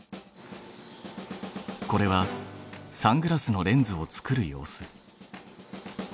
これはサングラスのレンズを作る様子。